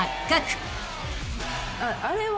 あれは？